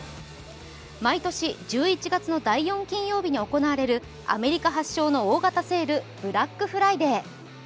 毎年１１月の第４金曜日に行われるアメリカ発祥の大型セールブラックフライデー。